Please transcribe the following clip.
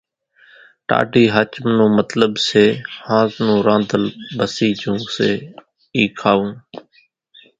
ٽاڍي ۿاچم نون مطلٻ سي ۿانز نون رانڌل ڀسي جھون سي اِي کاوون